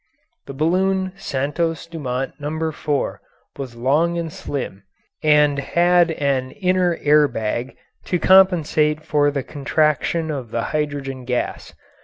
The balloon "Santos Dumont No. 4" was long and slim, and had an inner air bag to compensate for the contraction of the hydrogen gas.